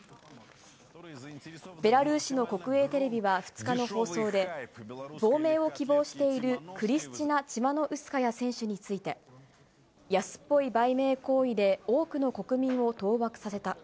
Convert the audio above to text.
ベラルーシの国営テレビは２日の放送で、亡命を希望している、クリスチナ・チマノウスカヤ選手について、安っぽい売名行為で、多くの国民を当惑させた。